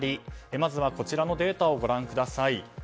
まずはこちらのデータをご覧ください。